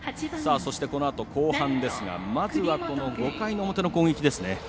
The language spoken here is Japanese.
そしてこのあと後半ですがまずは５回の表の攻撃ですね。